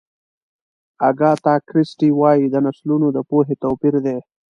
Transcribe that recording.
اګاتا کریسټي وایي د نسلونو د پوهې توپیر دی.